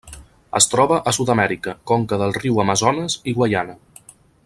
Es troba a Sud-amèrica: conca del riu Amazones i Guaiana.